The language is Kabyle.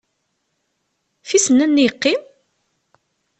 Ɣef yisennanen i yeqqim?